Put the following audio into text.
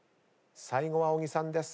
最後は小木さんです。